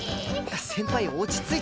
先輩落ち着いて。